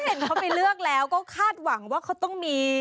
เห็นเขาไปเลือกแล้วก็คาดหวังว่าเขาต้องมี